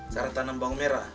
cara tanam bawang merah